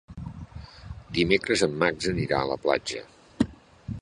Dimecres en Max anirà a la platja.